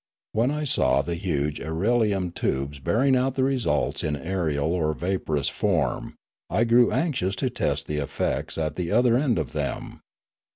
When I saw the huge irelium tubes bearing out the results in aerial or vaporous form, I grew anxious to test the effects at the other end of them.